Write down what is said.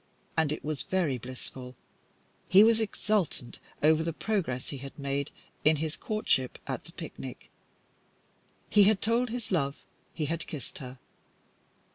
And it was very blissful. He was exultant over the progress he had made in his courtship at the picnic. He had told his love he had kissed her.